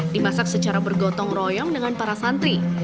dimasak secara bergotong royong dengan para santri